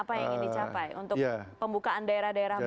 apa yang ingin dicapai untuk pembukaan daerah daerah